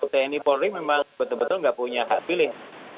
tni polri memang betul betul nggak punya hak pilih